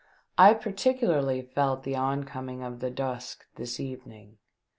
I particularly felt the oncoming of the dusk this evening.